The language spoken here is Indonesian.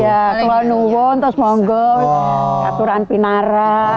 kekuatan nubun terus monggo aturan pinara